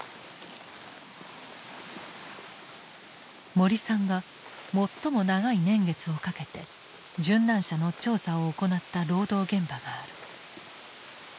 森さんが最も長い年月をかけて殉難者の調査を行った労働現場がある。